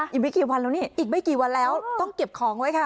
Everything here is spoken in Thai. อีกไม่กี่วันแล้วนี่อีกไม่กี่วันแล้วต้องเก็บของไว้ค่ะ